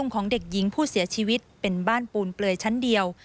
ของเด็กหญิงวัย๑๔ปีค่ะ